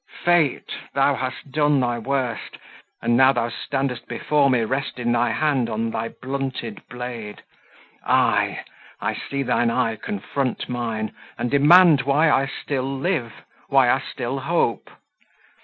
Fate! thou hast done thy worst, and now thou standest before me resting thy hand on thy blunted blade. Ay; I see thine eye confront mine and demand why I still live, why I still hope.